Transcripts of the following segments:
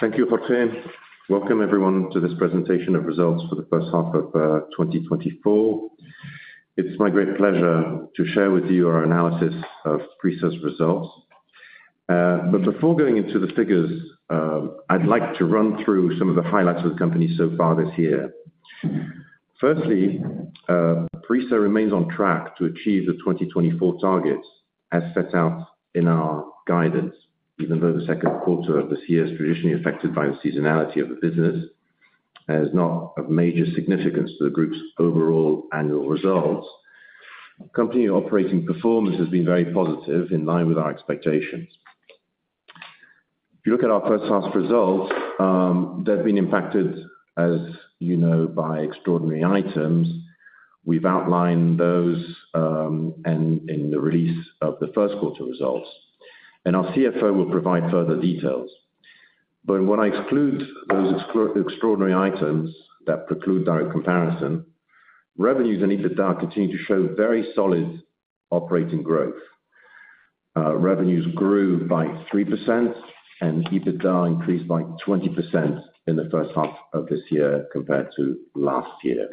Thank you, Jorge. Welcome everyone to this presentation of results for the first half of 2024. It's my great pleasure to share with you our analysis of Prisa's results. But before going into the figures, I'd like to run through some of the highlights of the company so far this year. Firstly, Prisa remains on track to achieve the 2024 targets as set out in our guidance, even though the second quarter of this year is traditionally affected by the seasonality of the business and is not of major significance to the group's overall annual results. Company operating performance has been very positive, in line with our expectations. If you look at our first half results, they've been impacted, as you know, by extraordinary items. We've outlined those, and in the release of the first quarter results, and our CFO will provide further details. But when I exclude those extraordinary items that preclude direct comparison, revenues and EBITDA continue to show very solid operating growth. Revenues grew by 3%, and EBITDA increased by 20% in the first half of this year compared to last year.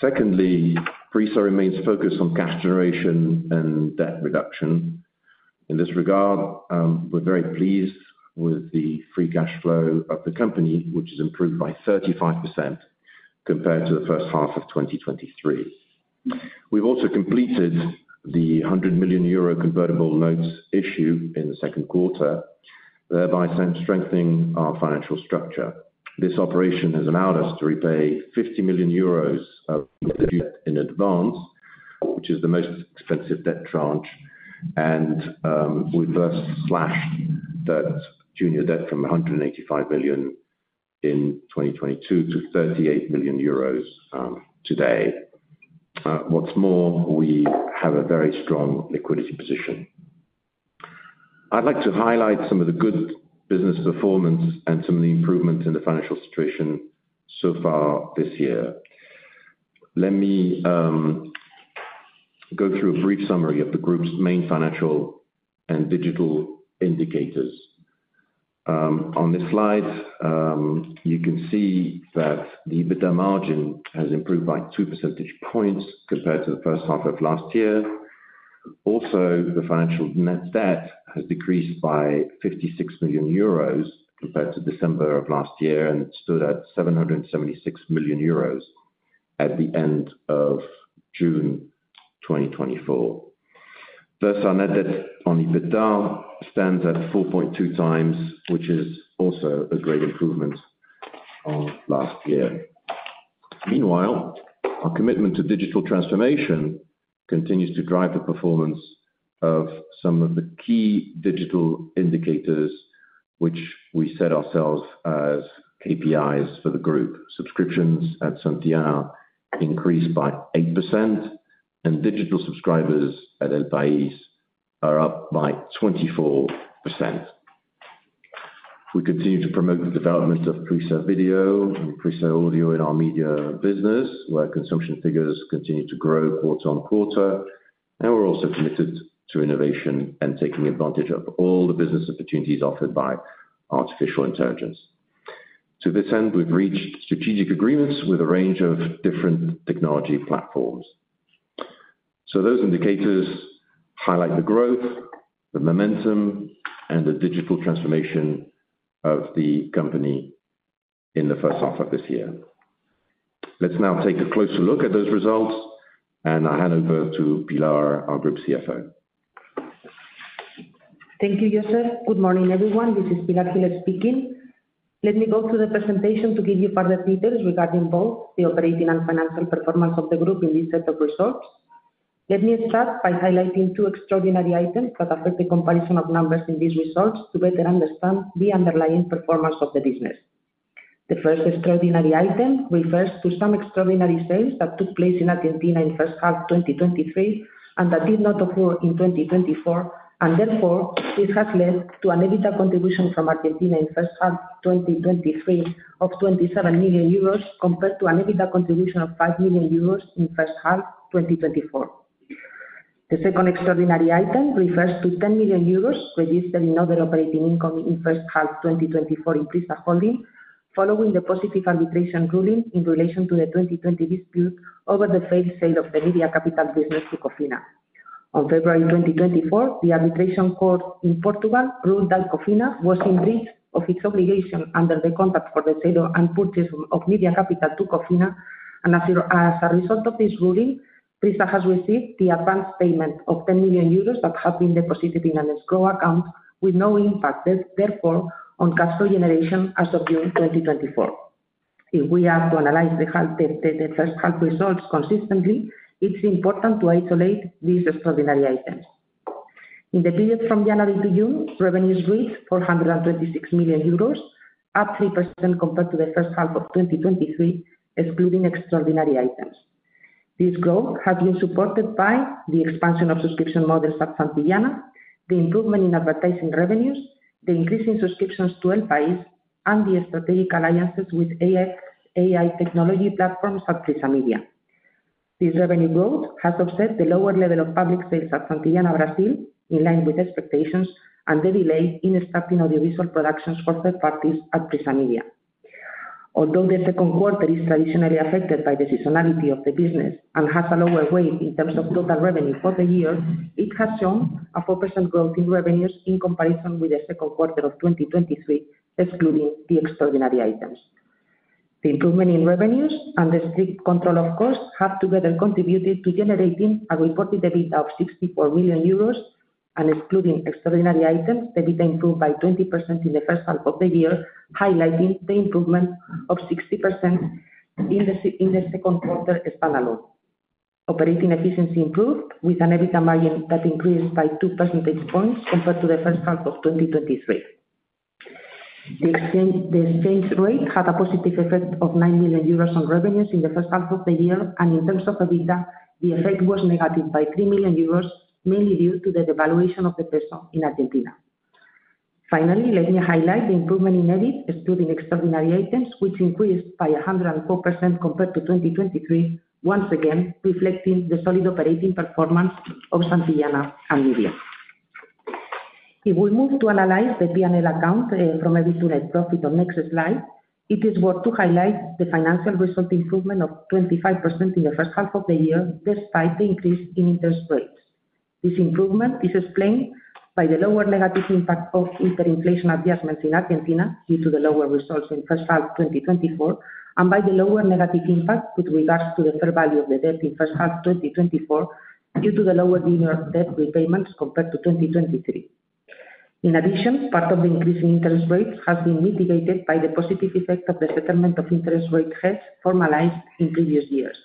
Secondly, PRISA remains focused on cash generation and debt reduction. In this regard, we're very pleased with the free cash flow of the company, which has improved by 35% compared to the first half of 2023. We've also completed the 100 million euro convertible notes issue in the second quarter, thereby strengthening our financial structure. This operation has allowed us to repay 50 million euros of debt in advance, which is the most expensive debt tranche, and we've thus slashed that junior debt from 185 million in 2022 to 38 million euros, today. What's more, we have a very strong liquidity position. I'd like to highlight some of the good business performance and some of the improvements in the financial situation so far this year. Let me go through a brief summary of the group's main financial and digital indicators. On this slide, you can see that the EBITDA margin has improved by two percentage points compared to the first half of last year. Also, the financial net debt has decreased by 56 million euros compared to December of last year, and it stood at 776 million euros at the end of June 2024. Thus, our net debt on EBITDA stands at 4.2x, which is also a great improvement on last year. Meanwhile, our commitment to digital transformation continues to drive the performance of some of the key digital indicators, which we set ourselves as KPIs for the group. Subscriptions at Santillana increased by 8%, and digital subscribers at El País are up by 24%. We continue to promote the development of Prisa Video and Prisa Audio in our media business, where consumption figures continue to grow quarter-on-quarter, and we're also committed to innovation and taking advantage of all the business opportunities offered by artificial intelligence. To this end, we've reached strategic agreements with a range of different technology platforms. Those indicators highlight the growth, the momentum, and the digital transformation of the company in the first half of this year. Let's now take a closer look at those results, and I hand over to Pilar, our Group CFO. Thank you, Joseph. Good morning, everyone. This is Pilar Gil speaking. Let me go through the presentation to give you further details regarding both the operating and financial performance of the group in this set of results. Let me start by highlighting two extraordinary items that affect the comparison of numbers in these results to better understand the underlying performance of the business. The first extraordinary item refers to some extraordinary sales that took place in Argentina in first half 2023, and that did not occur in 2024. And therefore, this has led to an EBITDA contribution from Argentina in first half 2023 of 27 million euros, compared to an EBITDA contribution of 5 million euros in first half 2024. The second extraordinary item refers to 10 million euros registered in other operating income in first half 2024 in PRISA Holding, following the positive arbitration ruling in relation to the 2020 dispute over the failed sale of the Media Capital business to Cofina. On February 2024, the arbitration court in Portugal ruled that Cofina was in breach of its obligation under the contract for the sale and purchase of Media Capital to Cofina. And as a result of this ruling, PRISA has received the advanced payment of 10 million euros that have been deposited in an escrow account, with no impact therefore on cash flow generation as of June 2024. If we are to analyze the first half results consistently, it's important to isolate these extraordinary items. In the period from January to June, revenues reached 426 million euros, up 3% compared to the first half of 2023, excluding extraordinary items. This growth has been supported by the expansion of subscription models at Santillana, the improvement in advertising revenues, the increase in subscriptions to El País, and the strategic alliances with AXAI technology platforms at Prisa Media. This revenue growth has offset the lower level of public sales at Santillana Brazil, in line with expectations, and the delay in starting audiovisual productions for third parties at Prisa Media. Although the second quarter is traditionally affected by the seasonality of the business and has a lower weight in terms of total revenue for the year, it has shown a 4% growth in revenues in comparison with the second quarter of 2023, excluding the extraordinary items. The improvement in revenues and the strict control, of course, have together contributed to generating a reported EBITDA of 64 million euros, and excluding extraordinary items, EBITDA improved by 20% in the first half of the year, highlighting the improvement of 60% in the second quarter, Spain alone. Operating efficiency improved, with an EBITDA margin that increased by two percentage points compared to the first half of 2023. The exchange rate had a positive effect of 9 million euros on revenues in the first half of the year, and in terms of EBITDA, the effect was negative by 3 million euros, mainly due to the devaluation of the peso in Argentina. Finally, let me highlight the improvement in EBIT, excluding extraordinary items, which increased by 104% compared to 2023, once again, reflecting the solid operating performance of Santillana and Media. If we move to analyze the P&L account from EBIT to net profit on next slide, it is worth to highlight the financial result improvement of 25% in the first half of the year, despite the increase in interest rates. This improvement is explained by the lower negative impact of hyperinflation adjustments in Argentina, due to the lower results in first half 2024, and by the lower negative impact with regards to the fair value of the debt in first half 2024, due to the lower year debt repayments compared to 2023. In addition, part of the increase in interest rates has been mitigated by the positive effect of the settlement of interest rate hedge formalized in previous years.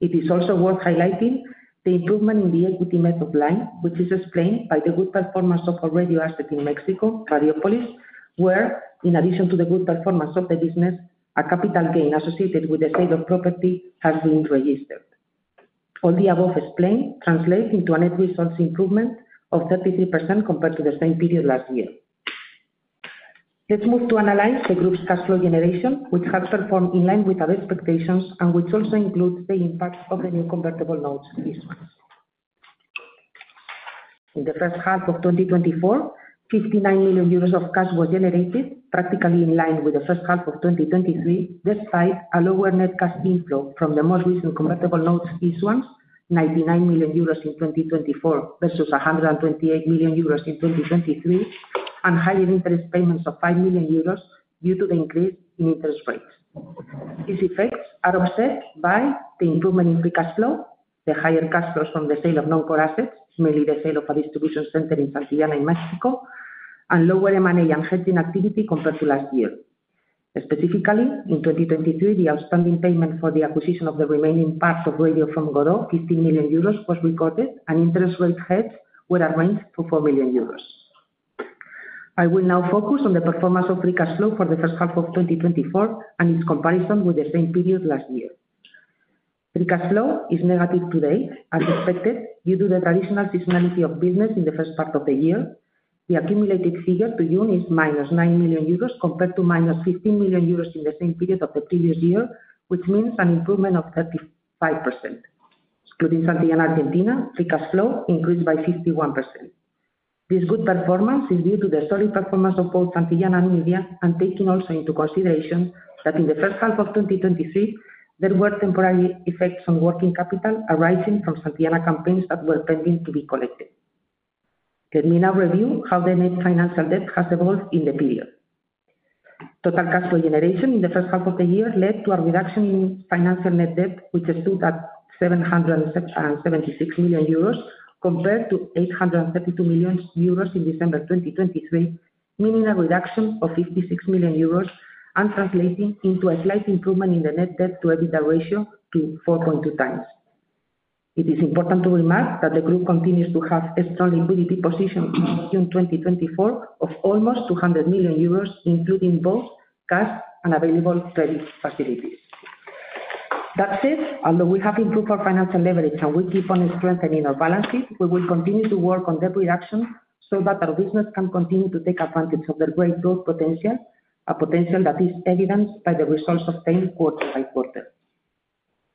It is also worth highlighting the improvement in the equity method line, which is explained by the good performance of a radio asset in Mexico, Radiópolis, where, in addition to the good performance of the business, a capital gain associated with the sale of property has been registered. All the above explained translates into a net resource improvement of 33% compared to the same period last year. Let's move to analyze the group's cash flow generation, which has performed in line with our expectations and which also includes the impact of the new convertible notes issuance. In the first half of 2024, 59 million euros of cash was generated, practically in line with the first half of 2023, despite a lower net cash inflow from the most recent convertible notes issuance, 99 million euros in 2024 versus 128 million euros in 2023, and higher interest payments of 5 million euros due to the increase in interest rates. These effects are offset by the improvement in free cash flow, the higher cash flows from the sale of non-core assets, mainly the sale of a distribution center in Santillana in Mexico, and lower M&A and hedging activity compared to last year. Specifically, in 2023, the outstanding payment for the acquisition of the remaining parts of Radiópolis from Grupo Coral, 50 million euros, was recorded, and interest rate hedges were arranged for 4 million euros. I will now focus on the performance of free cash flow for the first half of 2024, and its comparison with the same period last year. Free cash flow is negative today, as expected, due to the traditional seasonality of business in the first part of the year. The accumulated figure to June is -9 million euros, compared to -15 million euros in the same period of the previous year, which means an improvement of 35%. Excluding Santillana Argentina, free cash flow increased by 51%. This good performance is due to the solid performance of both Santillana and Media, and taking also into consideration that in the first half of 2023, there were temporary effects on working capital arising from Santillana campaigns that were pending to be collected. Let me now review how the net financial debt has evolved in the period. Total cash flow generation in the first half of the year led to a reduction in financial net debt, which stood at 776 million euros, compared to 832 million euros in December 2023, meaning a reduction of 56 million euros, and translating into a slight improvement in the net debt to EBITDA ratio to 4.2 times. It is important to remark that the group continues to have a strong liquidity position in June 2024 of almost 200 million euros, including both cash and available credit facilities. That said, although we have improved our financial leverage and we keep on strengthening our balances, we will continue to work on debt reduction so that our business can continue to take advantage of the great growth potential, a potential that is evidenced by the results obtained quarter by quarter.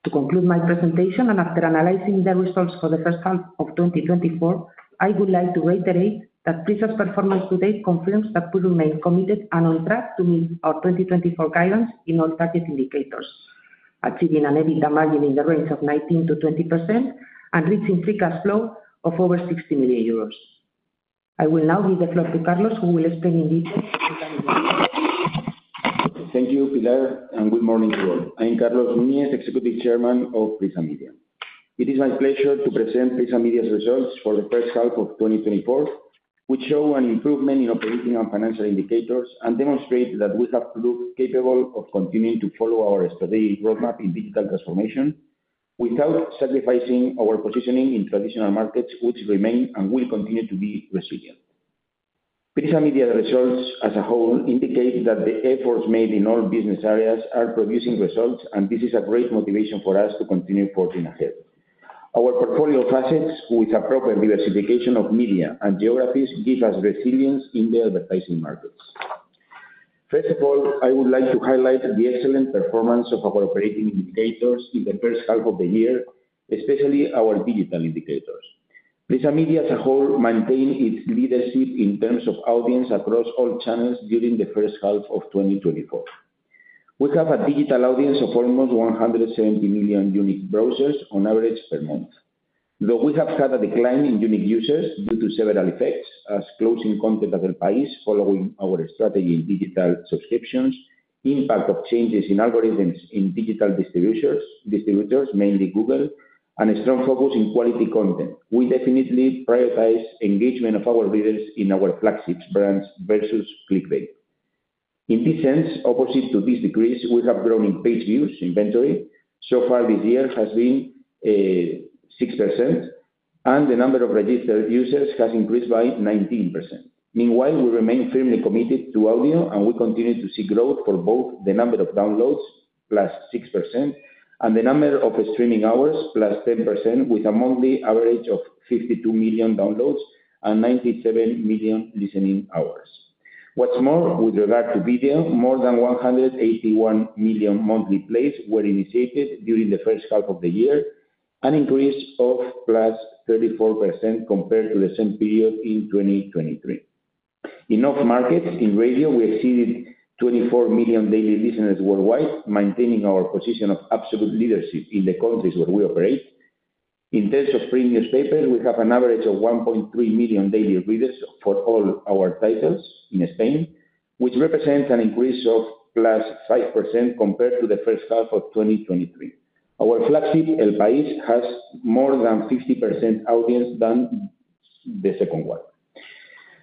To conclude my presentation, and after analyzing the results for the first half of 2024, I would like to reiterate that Prisa's performance to date confirms that we remain committed and on track to meet our 2024 guidance in all target indicators, achieving an EBITDA margin in the range of 19%-20% and reaching free cash flow of over 60 million euros. I will now give the floor to Carlos, who will explain in detail. Thank you, Pilar, and good morning to you all. I am Carlos Núñez, Executive Chairman of Prisa Media. It is my pleasure to present Prisa Media's results for the first half of 2024, which show an improvement in operating and financial indicators, and demonstrate that we have proved capable of continuing to follow our strategic roadmap in digital transformation without sacrificing our positioning in traditional markets, which remain and will continue to be resilient. Prisa Media results, as a whole, indicate that the efforts made in all business areas are producing results, and this is a great motivation for us to continue forging ahead. Our portfolio of assets, with appropriate diversification of media and geographies, give us resilience in the advertising markets.... First of all, I would like to highlight the excellent performance of our operating indicators in the first half of the year, especially our digital indicators. PRISA Media as a whole maintained its leadership in terms of audience across all channels during the first half of 2024. We have a digital audience of almost 170 million unique browsers on average per month, though we have had a decline in unique users due to several effects, as closing content at El País, following our strategy in digital subscriptions, impact of changes in algorithms in digital distributions, distributors, mainly Google, and a strong focus in quality content. We definitely prioritize engagement of our readers in our flagship brands versus clickbait. In this sense, opposite to this decrease, we have grown in page views inventory. So far this year has been six percent, and the number of registered users has increased by 19%. Meanwhile, we remain firmly committed to audio, and we continue to see growth for both the number of downloads, +6%, and the number of streaming hours, +10%, with a monthly average of 52 million downloads and 97 million listening hours. What's more, with regard to video, more than 181 million monthly plays were initiated during the first half of the year, an increase of +34% compared to the same period in 2023. In our markets, in radio, we exceeded 24 million daily listeners worldwide, maintaining our position of absolute leadership in the countries where we operate. In terms of print newspapers, we have an average of 1.3 million daily readers for all our titles in Spain, which represents an increase of +5% compared to the first half of 2023. Our flagship, El País, has more than 50% audience than the second one.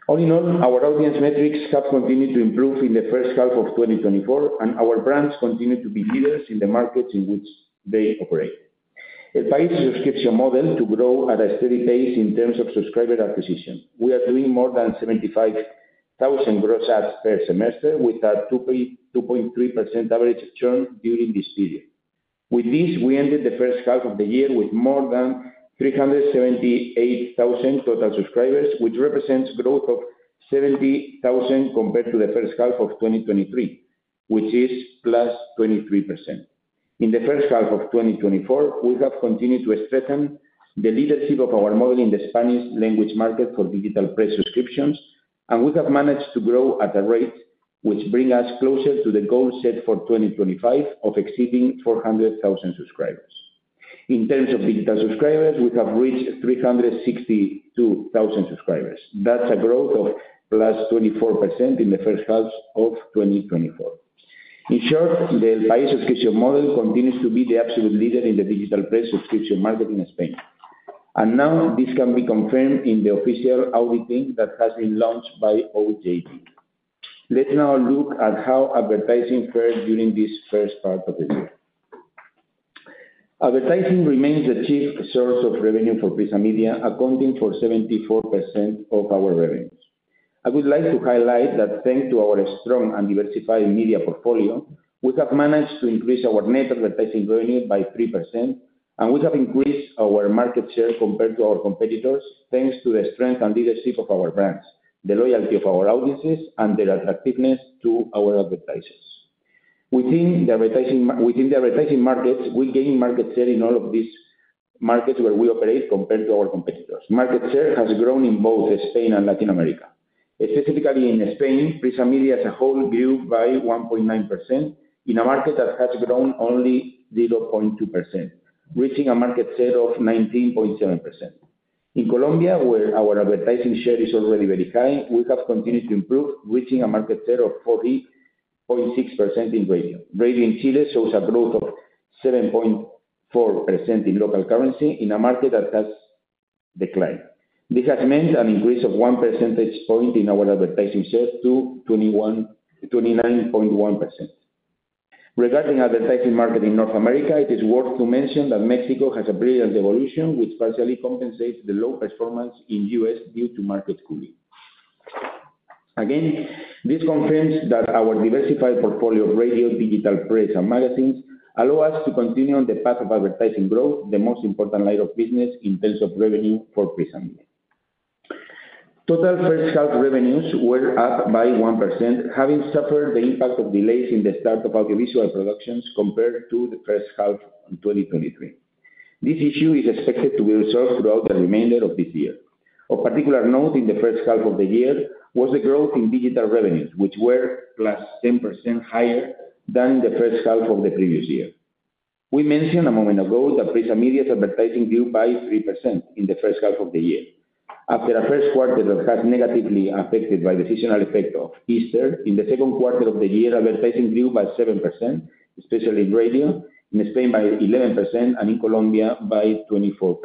All in all, our audience metrics have continued to improve in the first half of 2024, and our brands continue to be leaders in the markets in which they operate. El País subscription model to grow at a steady pace in terms of subscriber acquisition. We are doing more than 75,000 gross adds per semester, with a 2.2-2.3% average churn during this period. With this, we ended the first half of the year with more than 378,000 total subscribers, which represents growth of 70,000 compared to the first half of 2023, which is +23%. In the first half of 2024, we have continued to strengthen the leadership of our model in the Spanish language market for digital press subscriptions, and we have managed to grow at a rate which bring us closer to the goal set for 2025 of exceeding 400,000 subscribers. In terms of digital subscribers, we have reached 362,000 subscribers. That's a growth of +24% in the first half of 2024. In short, the El País subscription model continues to be the absolute leader in the digital press subscription market in Spain, and now this can be confirmed in the official auditing that has been launched by OJD. Let's now look at how advertising fared during this first part of the year. Advertising remains the chief source of revenue for Prisa Media, accounting for 74% of our revenues. I would like to highlight that thanks to our strong and diversified media portfolio, we have managed to increase our net advertising revenue by 3%, and we have increased our market share compared to our competitors, thanks to the strength and leadership of our brands, the loyalty of our audiences, and the attractiveness to our advertisers. Within the advertising markets, we gain market share in all of these markets where we operate, compared to our competitors. Market share has grown in both Spain and Latin America. Specifically in Spain, Prisa Media as a whole grew by 1.9% in a market that has grown only 0.2%, reaching a market share of 19.7%. In Colombia, where our advertising share is already very high, we have continued to improve, reaching a market share of 40.6% in radio. Radio in Chile shows a growth of 7.4% in local currency, in a market that has declined. This has meant an increase of one percentage point in our advertising share to 29.1%. Regarding advertising market in North America, it is worth to mention that Mexico has a brilliant evolution, which partially compensates the low performance in U.S., due to market cooling. Again, this confirms that our diversified portfolio of radio, digital press, and magazines allow us to continue on the path of advertising growth, the most important line of business in terms of revenue for PRISA Media. Total first half revenues were up by 1%, having suffered the impact of delays in the start of audiovisual productions compared to the first half in 2023. This issue is expected to be resolved throughout the remainder of this year. Of particular note in the first half of the year was the growth in digital revenues, which were +10% higher than the first half of the previous year. We mentioned a moment ago that Prisa Media's advertising grew by 3% in the first half of the year. After a first quarter that was negatively affected by the seasonal effect of Easter, in the second quarter of the year, advertising grew by 7%, especially in radio, in Spain by 11%, and in Colombia by 24%.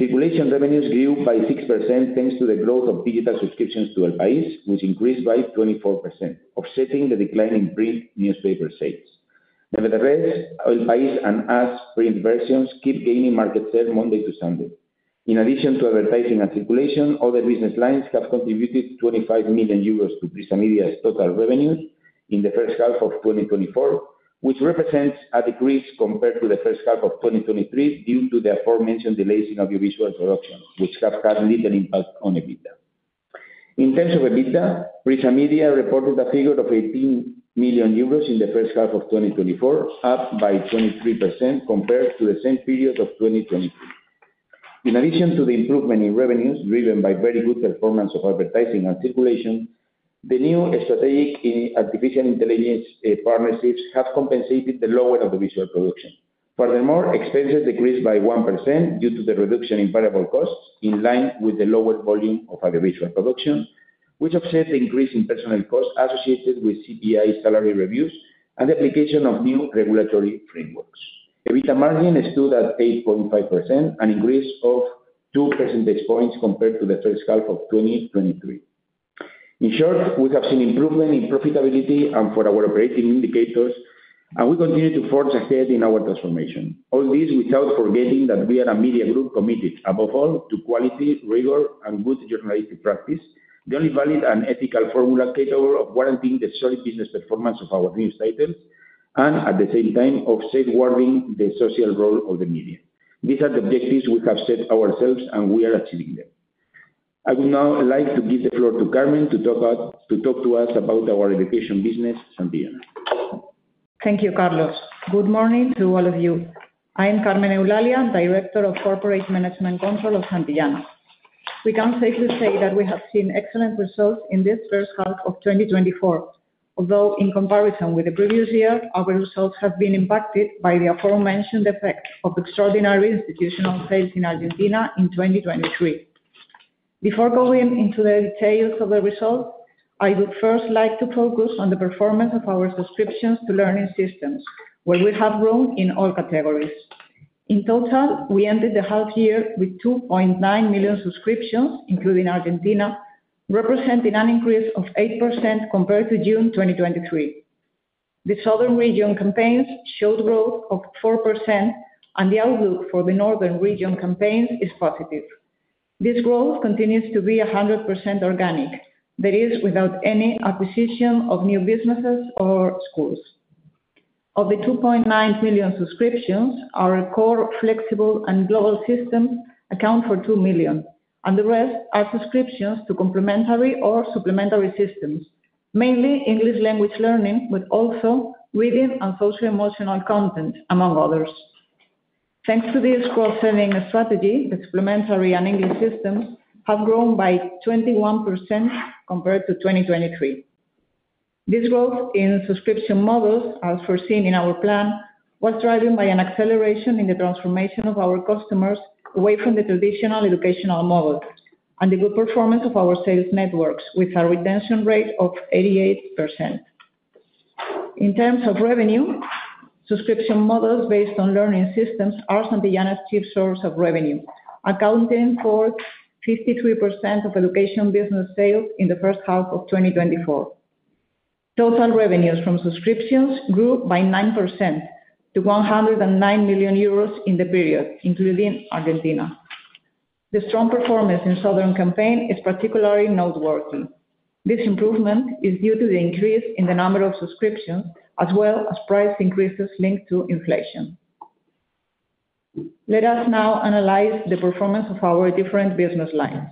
Circulation revenues grew by 6%, thanks to the growth of digital subscriptions to El País, which increased by 24%, offsetting the decline in print newspaper sales. Nevertheless, El País and AS print versions keep gaining market share Monday to Sunday. In addition to advertising and circulation, other business lines have contributed 25 million euros to Prisa Media's total revenue in the first half of 2024, which represents a decrease compared to the first half of 2023, due to the aforementioned delays in audiovisual production, which have had little impact on EBITDA. In terms of EBITDA, Prisa Media reported a figure of 18 million euros in the first half of 2024, up by 23% compared to the same period of 2023. In addition to the improvement in revenues, driven by very good performance of advertising and circulation, the new strategic, artificial intelligence, partnerships have compensated the lower audiovisual production. Furthermore, expenses decreased by 1% due to the reduction in variable costs, in line with the lower volume of audiovisual production, which offset the increase in personnel costs associated with CPI salary reviews and the application of new regulatory frameworks. EBITDA margin stood at 8.5%, an increase of two percentage points compared to the first half of 2023. In short, we have seen improvement in profitability and for our operating indicators, and we continue to forge ahead in our transformation. All this without forgetting that we are a media group committed, above all, to quality, rigor, and good journalistic practice, the only valid and ethical formula capable of warranting the solid business performance of our news titles, and at the same time, of safeguarding the social role of the media. These are the objectives we have set ourselves, and we are achieving them. I would now like to give the floor to Carmen to talk to us about our education business, Santillana. Thank you, Carlos. Good morning to all of you. I am Carmen Eulalia, Director of Corporate Management Control of Santillana. We can safely say that we have seen excellent results in this first half of 2024. Although in comparison with the previous year, our results have been impacted by the aforementioned effect of extraordinary institutional sales in Argentina in 2023. Before going into the details of the results, I would first like to focus on the performance of our subscriptions to learning systems, where we have grown in all categories. In total, we ended the half year with 2.9 million subscriptions, including Argentina, representing an increase of 8% compared to June 2023. The southern region campaigns showed growth of 4%, and the outlook for the northern region campaigns is positive. This growth continues to be 100% organic, that is, without any acquisition of new businesses or schools. Of the 2.9 million subscriptions, our core, flexible, and global systems account for 2 million, and the rest are subscriptions to complementary or supplementary systems, mainly English language learning, but also reading and social emotional content, among others. Thanks to this cross-selling strategy, supplementary and English systems have grown by 21% compared to 2023. This growth in subscription models, as foreseen in our plan, was driven by an acceleration in the transformation of our customers away from the traditional educational model, and the good performance of our sales networks, with a retention rate of 88%. In terms of revenue, subscription models based on learning systems are Santillana's chief source of revenue, accounting for 53% of education business sales in the first half of 2024. Total revenues from subscriptions grew by 9% to 109 million euros in the period, including Argentina. The strong performance in southern campaign is particularly noteworthy. This improvement is due to the increase in the number of subscriptions, as well as price increases linked to inflation. Let us now analyze the performance of our different business lines.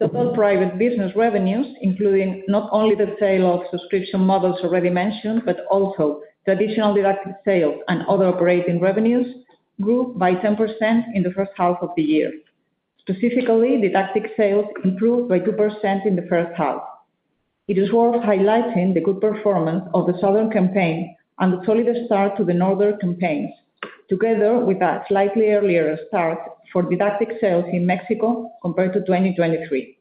Total publishing business revenues, including not only the sale of subscription models already mentioned, but also traditional didactic sales and other operating revenues, grew by 10% in the first half of the year. Specifically, didactic sales improved by 2% in the first half. It is worth highlighting the good performance of the southern campaign and the solid start to the northern campaigns, together with a slightly earlier start for didactic sales in Mexico compared to 2023.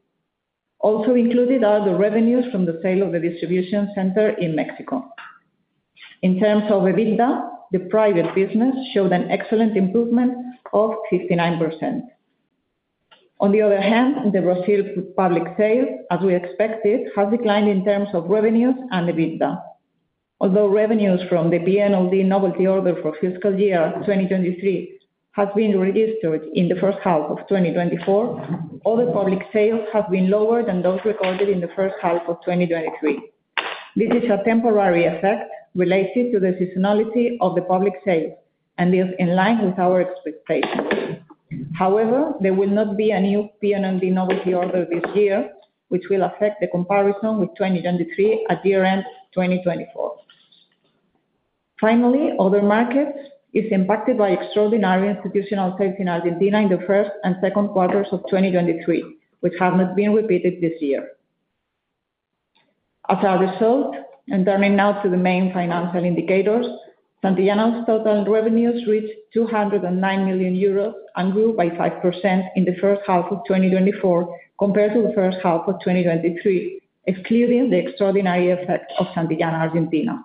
Also included are the revenues from the sale of the distribution center in Mexico. In terms of EBITDA, the private business showed an excellent improvement of 59%. On the other hand, the received public sales, as we expected, have declined in terms of revenues and EBITDA. Although revenues from the PNLD novelty order for fiscal year 2023 have been registered in the first half of 2024, other public sales have been lower than those recorded in the first half of 2023. This is a temporary effect related to the seasonality of the public sales and is in line with our expectations. However, there will not be a new PNLD novelty order this year, which will affect the comparison with 2023 at year-end 2024. Finally, other markets is impacted by extraordinary institutional sales in Argentina in the first and second quarters of 2023, which have not been repeated this year. As a result, and turning now to the main financial indicators, Santillana's total revenues reached 209 million euros and grew by 5% in the first half of 2024 compared to the first half of 2023, excluding the extraordinary effect of Santillana Argentina.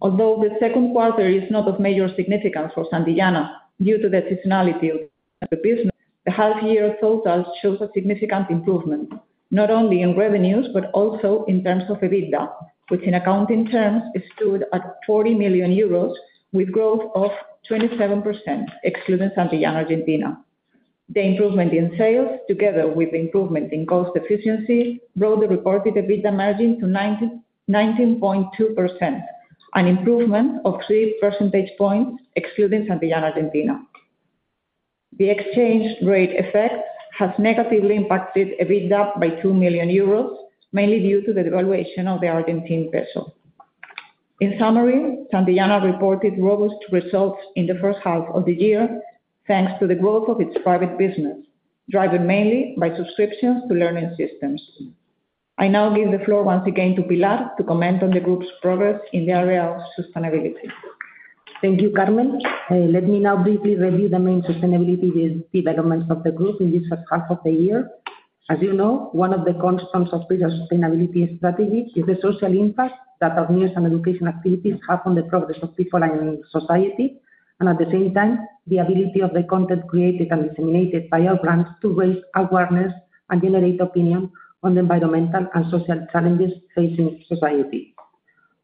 Although the second quarter is not of major significance for Santillana due to the seasonality of the business, the half year totals shows a significant improvement, not only in revenues, but also in terms of EBITDA, which in accounting terms, it stood at 40 million euros, with growth of 27%, excluding Santillana Argentina.... The improvement in sales, together with the improvement in cost efficiency, grow the reported EBITDA margin to 19.2%, an improvement of three percentage points excluding Santillana Argentina. The exchange rate effect has negatively impacted EBITDA by 2 million euros, mainly due to the devaluation of the Argentine peso. In summary, Santillana reported robust results in the first half of the year, thanks to the growth of its private business, driven mainly by subscriptions to learning systems. I now give the floor once again to Pilar to comment on the group's progress in the area of sustainability. Thank you, Carmen. Let me now briefly review the main sustainability developments of the group in this first half of the year. As you know, one of the constants of business sustainability strategy is the social impact that our news and education activities have on the progress of people and society, and at the same time, the ability of the content created and disseminated by our brands to raise awareness and generate opinion on the environmental and social challenges facing society.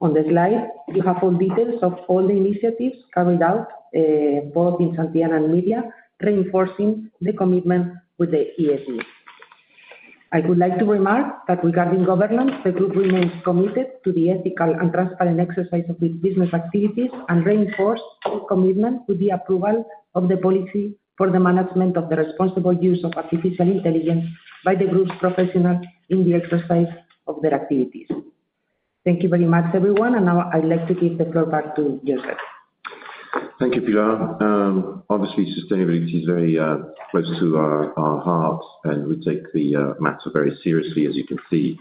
On the slide, you have all details of all the initiatives carried out, both in Santillana and Media, reinforcing the commitment with the ESG. I would like to remark that regarding governance, the group remains committed to the ethical and transparent exercise of its business activities and reinforce our commitment to the approval of the policy for the management of the responsible use of artificial intelligence by the group's professionals in the exercise of their activities. Thank you very much, everyone, and now I'd like to give the floor back to Joseph. Thank you, Pilar. Obviously, sustainability is very close to our hearts, and we take the matter very seriously, as you can see.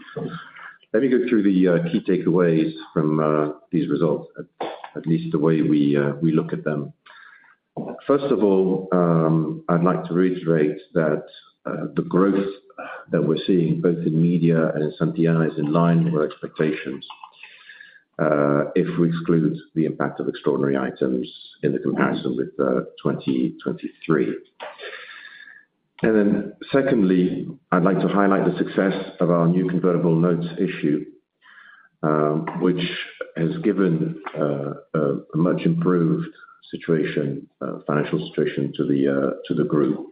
Let me go through the key takeaways from these results, at least the way we look at them. First of all, I'd like to reiterate that the growth that we're seeing both in media and in Santillana is in line with our expectations, if we exclude the impact of extraordinary items in the comparison with 2023. And then secondly, I'd like to highlight the success of our new convertible notes issue, which has given a much improved financial situation to the group.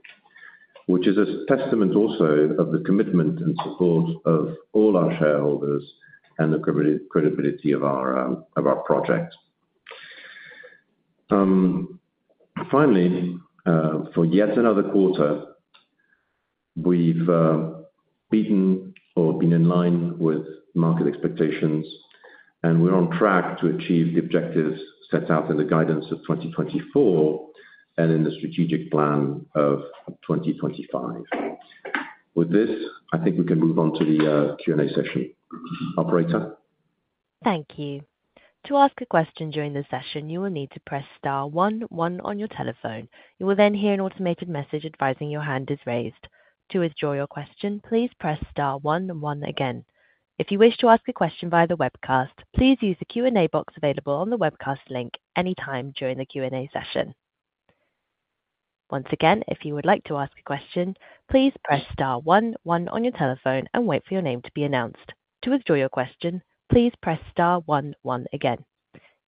Which is a testament also of the commitment and support of all our shareholders and the credibility of our project. Finally, for yet another quarter, we've beaten or been in line with market expectations, and we're on track to achieve the objectives set out in the guidance of 2024 and in the strategic plan of 2025. With this, I think we can move on to the Q&A session. Operator? Thank you. To ask a question during the session, you will need to press star one one on your telephone. You will then hear an automated message advising your hand is raised. To withdraw your question, please press star one one again. If you wish to ask a question via the webcast, please use the Q&A box available on the webcast link any time during the Q&A session. Once again, if you would like to ask a question, please press star one one on your telephone and wait for your name to be announced. To withdraw your question, please press star one one again.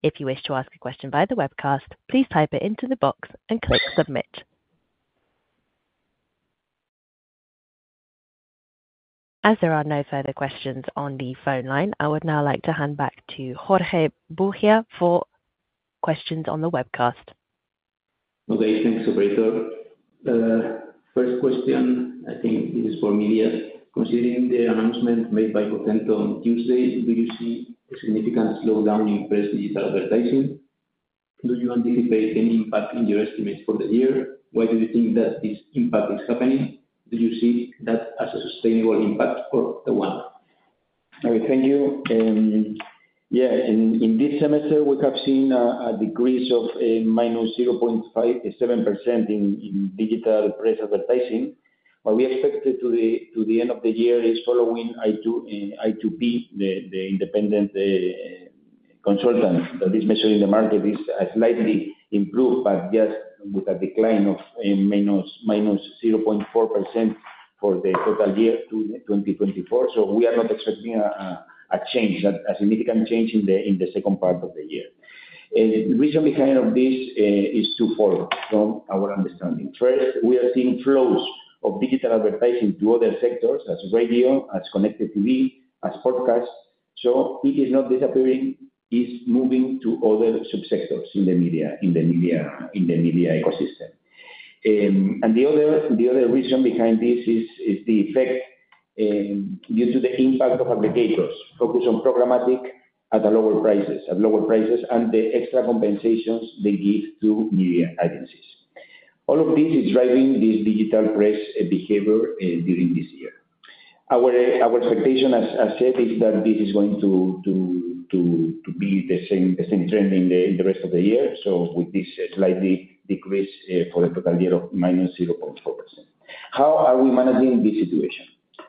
If you wish to ask a question via the webcast, please type it into the box and click Submit. As there are no further questions on the phone line, I would now like to hand back to Jorge Bujía Feal for questions on the webcast. Okay, thanks, operator. First question, I think this is for media: Considering the announcement made by Vocento on Tuesday, do you see a significant slowdown in press digital advertising? Do you anticipate any impact in your estimates for the year? Why do you think that this impact is happening? Do you see that as a sustainable impact for the world? Thank you. Yeah, in this semester, we have seen a decrease of minus 0.57% in digital press advertising. What we expect to the end of the year is, following I2p, the independent consultant that is measuring the market, a slightly improved, but just with a decline of minus 0.4% for the total year 2024. So we are not expecting a significant change in the second part of the year. The reason behind this is two-fold from our understanding. First, we are seeing flows of digital advertising to other sectors, as radio, as connected TV, as podcast, so it is not disappearing, it's moving to other subsectors in the media ecosystem. The other reason behind this is the effect due to the impact of aggregators focused on programmatic at lower prices, and the extra compensations they give to media agencies. All of this is driving this digital press behavior during this year. Our expectation, as said, is that this is going to be the same trend in the rest of the year, so with this slightly decreased, for a total year of -0.4%. How are we managing this situation?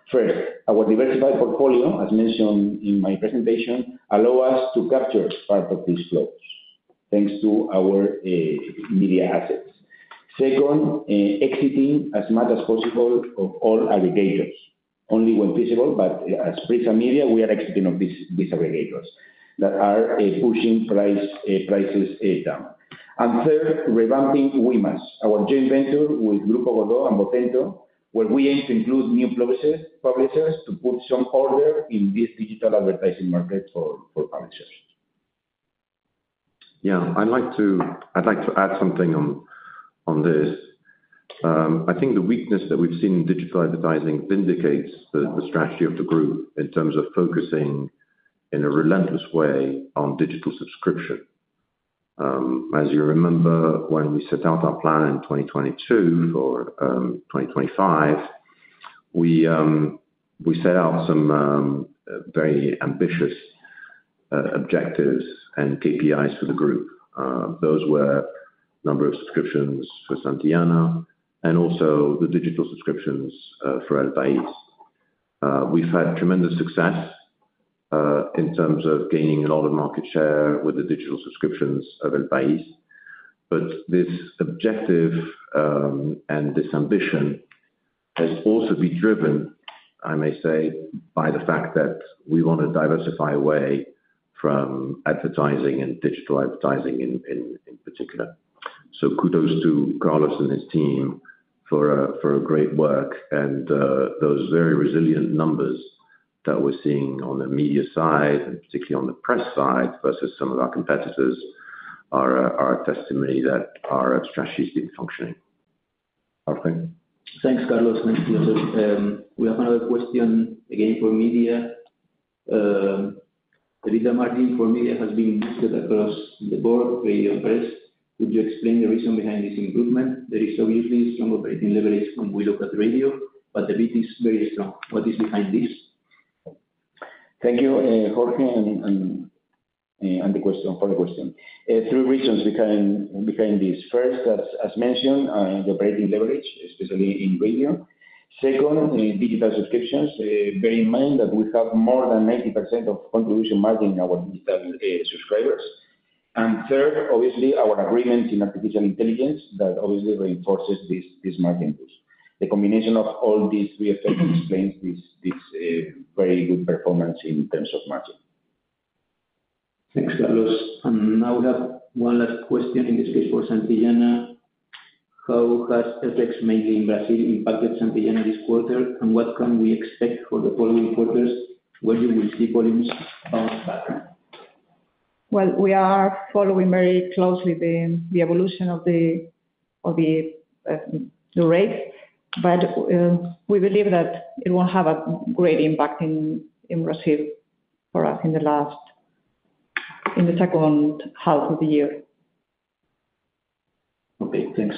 First, our diversified portfolio, as mentioned in my presentation, allow us to capture part of these flows, thanks to our media assets. Second, exiting as much as possible of all aggregators... only when feasible, but as Prisa Media, we are exiting on these aggregators that are pushing prices down. And third, revamping WEMASS, our joint venture with Grupo Godó and Vocento, where we aim to include new publishers to put some order in this digital advertising market for publishers. Yeah, I'd like to, I'd like to add something on, on this. I think the weakness that we've seen in digital advertising vindicates the, the strategy of the group in terms of focusing in a relentless way on digital subscription. As you remember, when we set out our plan in 2022 for 2025, we set out some very ambitious objectives and KPIs for the group. Those were number of subscriptions for Santillana and also the digital subscriptions for El País. We've had tremendous success in terms of gaining a lot of market share with the digital subscriptions of El País, but this objective and this ambition has also been driven, I may say, by the fact that we want to diversify away from advertising and digital advertising in, in, in particular. So kudos to Carlos and his team for a great work. And, those very resilient numbers that we're seeing on the media side, and particularly on the press side, versus some of our competitors are a testimony that our strategy is functioning. Jorge? Thanks, Carlos. Thanks, Joseph. We have another question, again, for media. The EBITDA margin for media has been set across the board, radio and press. Could you explain the reason behind this improvement? There is obviously some operating leverage when we look at radio, but the beat is very strong. What is behind this? Thank you, Jorge, and on the question, for the question. Three reasons behind this. First, as mentioned, the operating leverage, especially in radio. Second, digital subscriptions. Bear in mind that we have more than 90% of contribution margin in our digital subscribers. And third, obviously, our agreement in artificial intelligence, that obviously reinforces this margin boost. The combination of all these three effects explains this very good performance in terms of margin. Thanks, Carlos. And now we have one last question, in this case for Santillana. How have effects made in Brazil impacted Santillana this quarter, and what can we expect for the following quarters, where you will see volumes bounce back? Well, we are following very closely the evolution of the rate. But we believe that it will have a great impact in Brazil for us, in the second half of the year. Okay, thanks.